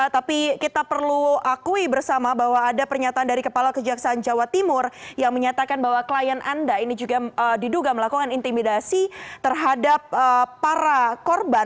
tapi kita perlu akui bersama bahwa ada pernyataan dari kepala kejaksaan jawa timur yang menyatakan bahwa klien anda ini juga diduga melakukan intimidasi terhadap para korban